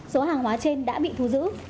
số hàng hóa trên đã bị thu giữ